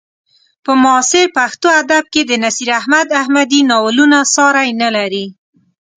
په معاصر پښتو ادب کې د نصیر احمد احمدي ناولونه ساری نه لري.